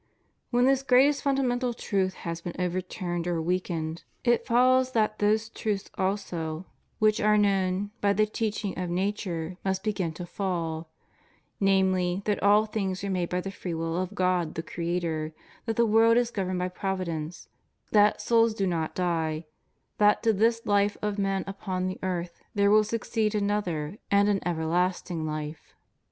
When this greatest fundamental truth has been over turned or weakened, it follows that those truths also FREEMASONRY. 93 which are known by the teaching of nature must begin to fall — namely, that all things were made by the free will of God the Creator; that the world is governed by Provi dence; that souls do not die; that to this Hfe of men upon the earth there will succeed another and an everlasting hfe.